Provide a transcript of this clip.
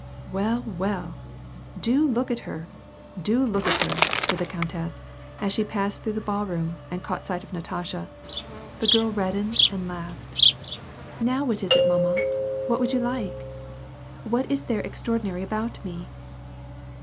" Well, well ! do look at her, do look at her," said the countess, as she passed through the ballroom, and caught sight of Natasha. The girl reddened and laughed. " Now what is it, mamma ? what would you like ? What is there extraordinary about me